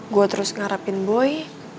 gue terus ngarepin boy